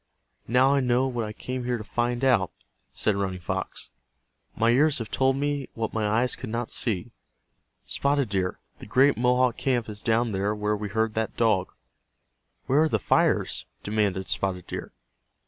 "Now I know what I came here to find out," said Running Fox. "My ears have told me what my eyes could not see. Spotted Deer, the great Mohawk camp is down there where we heard that dog." "Where are the fires?" demanded Spotted Deer.